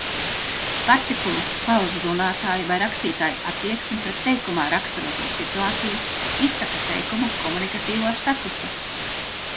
Partikulas pauž runātāja vai rakstītāja attieksmi pret teikumā raksturoto situāciju, izsaka teikuma komunikatīvo statusu.